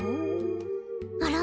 あら？